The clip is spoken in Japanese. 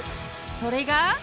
それが。